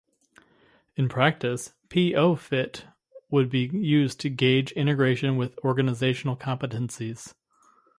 In practice, P-O fit would be used to gauge integration with organizational competencies.